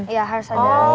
iya harus agak maju